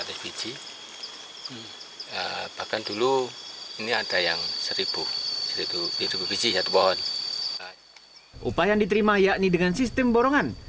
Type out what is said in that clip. upaya yang diterima yakni dengan sistem borongan